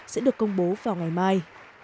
sẽ được công bố vào ngày mai